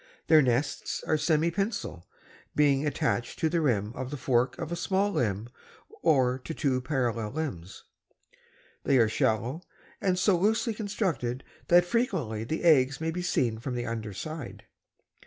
The nests are semipensil, being attached by the rim to the fork of a small limb or to two parallel limbs. They are shallow and so loosely constructed that frequently the eggs may be seen from the underside.